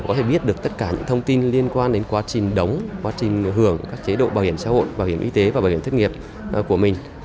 có thể biết được tất cả những thông tin liên quan đến quá trình đóng quá trình hưởng các chế độ bảo hiểm xã hội bảo hiểm y tế và bảo hiểm thất nghiệp của mình